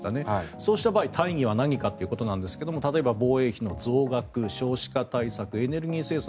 そうした場合大義は何かということなんですが例えば防衛費の増額少子化対策、エネルギー政策